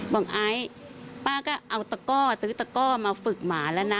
ไอซ์ป้าก็เอาตะก้อซื้อตะก้อมาฝึกหมาแล้วนะ